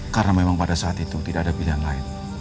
karena memang pada saat itu tidak ada pilihan lain